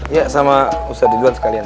iya sama ustadz ustadz sekalian